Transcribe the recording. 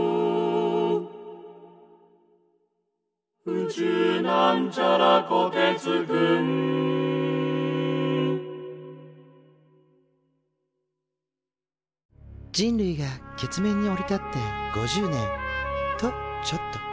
「宇宙」人類が月面に降り立って５０年。とちょっと。